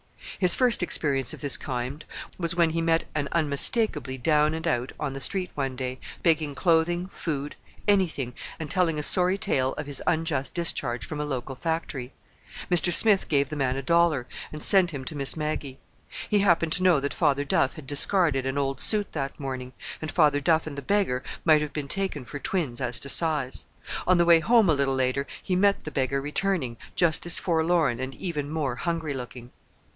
His first experience of this kind was when he met an unmistakably "down and out" on the street one day, begging clothing, food, anything, and telling a sorry tale of his unjust discharge from a local factory. Mr. Smith gave the man a dollar, and sent him to Miss Maggie. He happened to know that Father Duff had discarded an old suit that morning—and Father Duff and the beggar might have been taken for twins as to size. On the way home a little later he met the beggar returning, just as forlorn, and even more hungry looking.